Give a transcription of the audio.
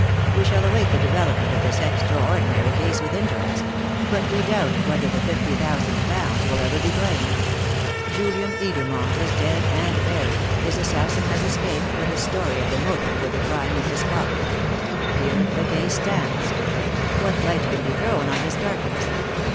We shall await the development of this extraordinary case with interest; but we doubt whether the fifty thousand pounds will ever be claimed. Julian Edermont is dead and buried; his assassin has escaped with the story of the motive for the crime in his pocket. Here the case stands. What light can be thrown on this darkness?